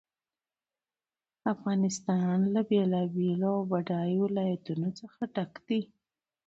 افغانستان له بېلابېلو او بډایه ولایتونو څخه ډک دی.